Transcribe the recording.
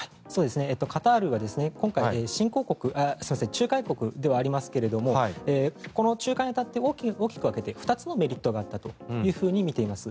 カタールは今回、仲介国ではありますがこの仲介に当たって大きく分けて２つのメリットがあったとみています。